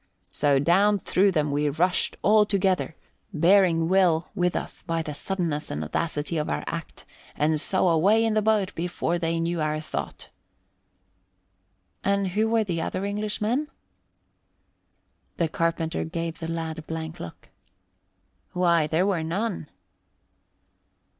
So down through them we rushed, all together, bearing Will with us by the suddenness and audacity of our act, and so away in a boat before they knew our thought." "And who were the other Englishmen?" The carpenter gave the lad a blank look. "Why, there were none."